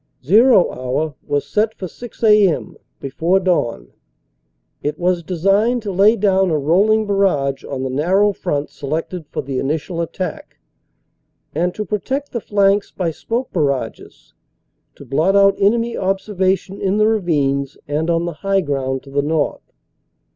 "Zero" hour was set for 6 a.m., before dawn. It was de signed to lay down a rolling barrage on the narrow front selected for the initial attack, and to protect the flanks by smoke barrages, to blot out enemy observation in the ravines and on the high ground to the north.